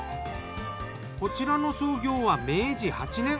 こちらの創業は明治８年。